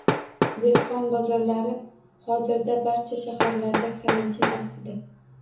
Dehqon bozorlari hozirda barcha shaharlarda karantin ostida